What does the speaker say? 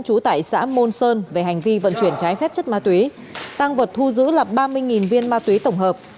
trú tại xã môn sơn về hành vi vận chuyển trái phép chất ma túy tăng vật thu giữ là ba mươi viên ma túy tổng hợp